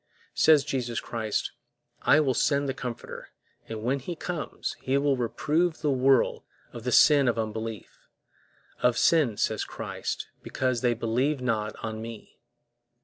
Says Jesus Christ, "I will send the Comforter; and when He is come, He will reprove the world" of the sin of unbelief; "of sin," says Christ, "because they believe not on Me."